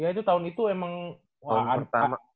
ya itu tahun itu emang